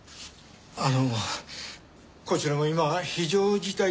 あのこちらも今非常事態でして。